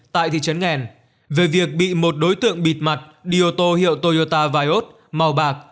tại thị trấn nghèn về việc bị một đối tượng bịt mặt đi ô tô hiệu toyota viot màu bạc